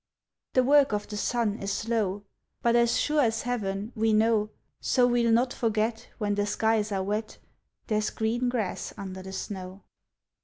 The work of the sun is slow, But as sure as heaven, we know; So we'll not forget, When the skies are wet, There's green grass under the snow.